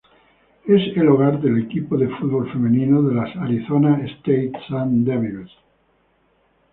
Es el hogar del equipo de fútbol femenino de las Arizona State Sun Devils.